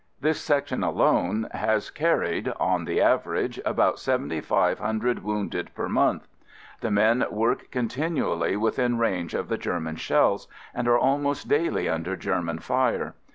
This Section alone has carried on the average about seventy five hundred wounded per month. INTRODUCTION xv The men work continually within range of the German shells and are almost daily under German fire.